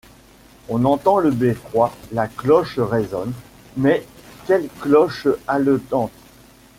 On entend le beffroi ; la cloche résonne ; mais quelle cloche haletante !